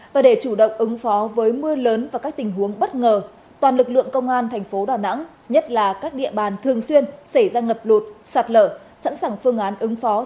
và để chủ động ứng phó với mưa lớn và các tình huống bất ngờ toàn lực lượng công an thành phố đà nẵng nhất là các địa bàn thường xuyên xảy ra ngập lụt sạt lở sẵn sàng phương án ứng phó